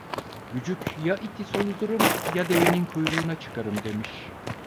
Gücük, ya iti soludurum, ya devenin kuyruğuna çıkarım demiş.